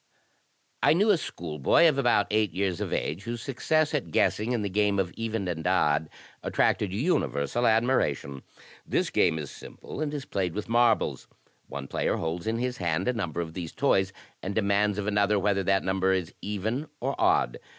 "I knew a schoolboy about eight years of age, whose success at DEDUCTION 95 guessing in the galne of 'even and odd' attracted universal admira tion. This game is simple, and is played with marbles. One player holds in his hand a number of these toys, and demands of another whether that number is even or odd.